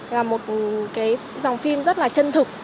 là một dòng phim rất là chân thực